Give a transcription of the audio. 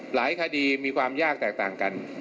หลายคดีมีความยากแตกต่างกัน